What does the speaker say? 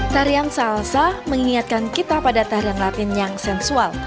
tarian salsa mengingatkan kita pada tarian latin yang sensual